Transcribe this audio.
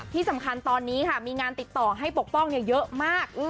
ที่สำคัญตอนนี้ค่ะมีงานติดต่อให้ปกป้องเยอะมาก